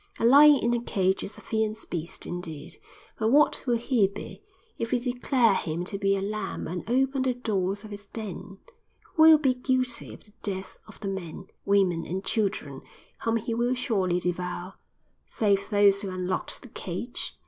A lion in a cage is a fierce beast, indeed; but what will he be if we declare him to be a lamb and open the doors of his den? Who will be guilty of the deaths of the men, women and children whom he will surely devour, save those who unlocked the cage?"